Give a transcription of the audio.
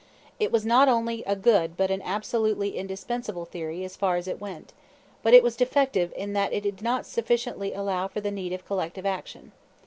It was not only a good but an absolutely indispensable theory as far as it went; but it was defective in that it did not sufficiently allow for the need of collective action.